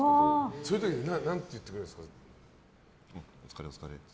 そういう時何て言ってくれるんですか。